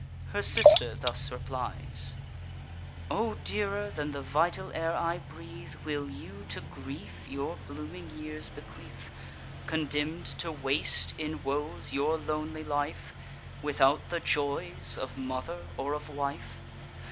Her sister thus replies: "O dearer than the vital air I breathe, Will you to grief your blooming years bequeath, Condemn'd to waste in woes your lonely life, Without the joys of mother or of wife?